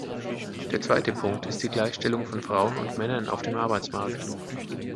Der zweite Punkt ist die Gleichstellung von Frauen und Männern auf dem Arbeitsmarkt.